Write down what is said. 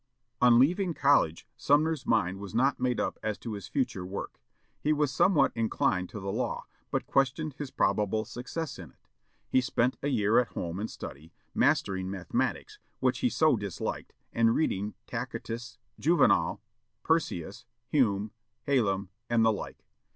On leaving college, Sumner's mind was not made up as to his future work. He was somewhat inclined to the law, but questioned his probable success in it. He spent a year at home in study, mastering mathematics, which he so disliked, and reading Tacitus, Juvenal, Persius, Hume, Hallam, and the like.